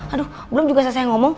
aduh belum juga selesai ngomong